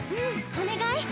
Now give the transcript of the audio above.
お願い。